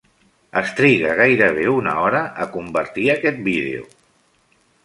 Es triga gairebé una hora a convertir aquest vídeo.